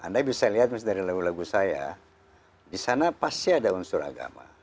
anda bisa lihat dari lagu lagu saya di sana pasti ada unsur agama